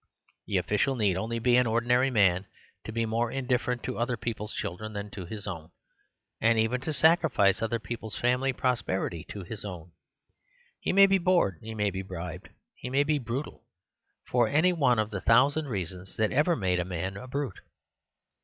The official need only be an ordinary man to be more indif ferent to other people's children than to his own; and even to sacrifice other people's family prosperity to his own. He may be bored; he may be bribed; he may be brutal, for any one of the thousand reasons that ever made a man a brute.